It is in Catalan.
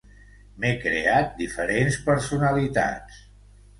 M'he creat diferents personalitats.